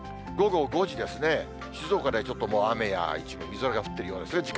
午後５時ですね、静岡ではちょっともう雨やみぞれが降っているようですね。